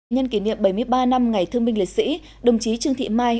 nhân kỷ niệm bảy mươi ba năm ngày thương binh liệt sĩ đồng chí trương thị mai